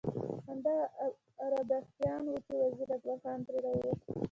همدغه اربکیان وو چې وزیر اکبر خان ترې راووت.